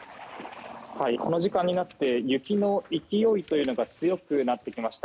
この時間になって雪の勢いが強くなってきました。